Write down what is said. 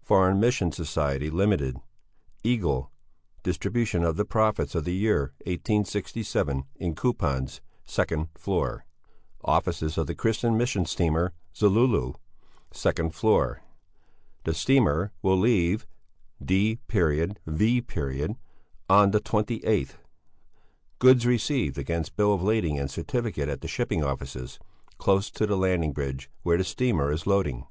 Foreign Missions Society, Ltd., Eagle, distribution of the profits of the year 1867 in coupons, second floor. Offices of the Christian Mission Steamer Zululu, second floor. The steamer will leave, D.V., on the 28th. Goods received against bill of lading and certificate at the shipping offices close to the landing bridge where the steamer is loading.